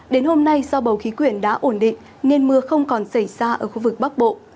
đến hôm nay do bầu khí quyển đã ổn định nên mưa không còn xảy ra ở khu vực bắc bộ